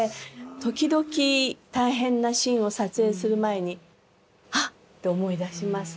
時々大変なシーンを撮影する前にハッて思い出します。